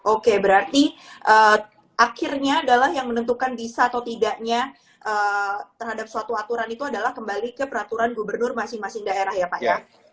oke berarti akhirnya adalah yang menentukan bisa atau tidaknya terhadap suatu aturan itu adalah kembali ke peraturan gubernur masing masing daerah ya pak ya